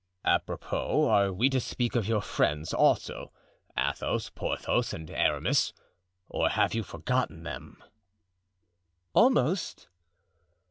"Apropos, are we to speak of your friends also, Athos, Porthos, and Aramis? or have you forgotten them?" "Almost."